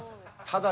ただ。